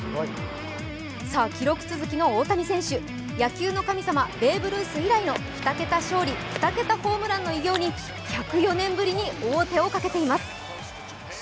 記録続きの大谷選手、野球の神様、ベーブ・ルース以来の２桁勝利・２桁ホームランの偉業に１０４年ぶりに王手をかけています。